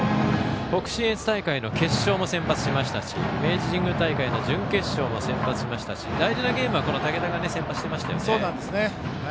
北信越大会の決勝も先発しましたし明治神宮大会の準決勝も先発しましたし大事なゲームは竹田が先発していました。